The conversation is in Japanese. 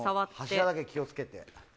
柱だけ気を付けて。